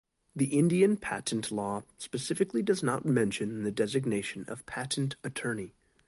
The Indian Patent Law specifically does not mention the designation of "Patent Attorney".